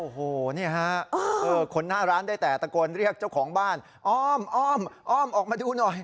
โอ้โหนี่ฮะคนหน้าร้านได้แต่ตะโกนเรียกเจ้าของบ้านอ้อมอ้อมอ้อมออกมาดูหน่อย